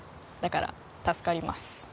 だから助かります